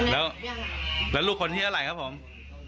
แล้วลูกคนที่อะไรครับผม